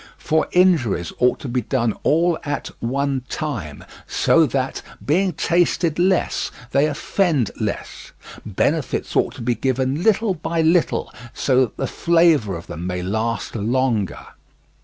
For injuries ought to be done all at one time, so that, being tasted less, they offend less; benefits ought to be given little by little, so that the flavour of them may last longer.